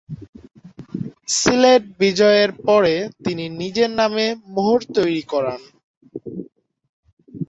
সিলেট বিজয়ের পরে তিনি নিজের নামে মোহর তৈরি করান।